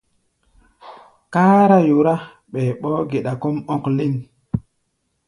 Kárá yorá, ɓɛɛ ɓɔ́ɔ́-geda kɔ́ʼm ɔ̧́k léŋ.